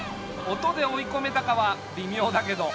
音で追いこめたかはびみょうだけど。